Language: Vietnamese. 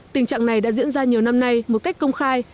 tình trạng này đã diễn ra nhiều năm nay một cách công khai